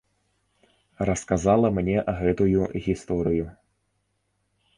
Расказала мне гэтую гісторыю.